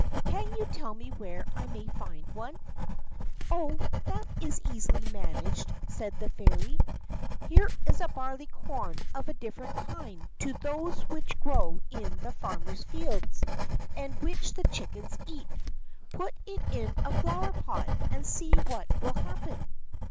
Can you tell me where I may find one?" "Oh, that is easily managed," said the Fairy. "Here is a barley corn of a different kind to those which grow in the farmers' fields, and which the chickens eat. Put it into a flower pot, and see what will happen."